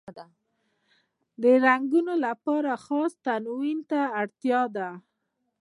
د رنګولو لپاره خاص تلوین ته اړتیا لري.